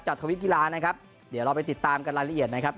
ทวิตกีฬานะครับเดี๋ยวเราไปติดตามกันรายละเอียดนะครับ